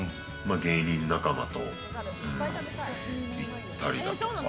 芸人仲間と行ったりだとか。